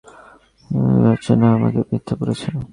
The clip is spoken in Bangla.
কিন্তু আমার বিশ্বাস হচ্ছে না আমাকে মিথ্যা বলেছ?